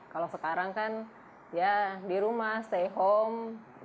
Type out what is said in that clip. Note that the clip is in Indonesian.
kalau sekarang kan ya di rumah stay home